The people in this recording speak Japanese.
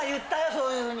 そういうふうに。